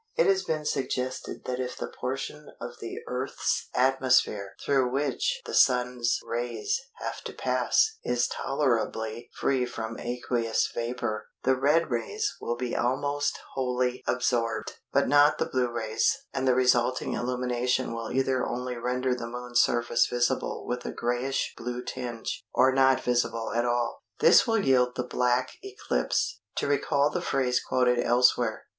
It has been suggested that if the portion of the Earth's atmosphere through which the Sun's rays have to pass is tolerably free from aqueous vapour, the red rays will be almost wholly absorbed, but not the blue rays; and the resulting illumination will either only render the Moon's surface visible with a greyish blue tinge, or not visible at all. This will yield the "black eclipse"—to recall the phrase quoted elsewhere.